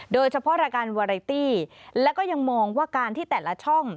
รายการวาไรตี้แล้วก็ยังมองว่าการที่แต่ละช่อง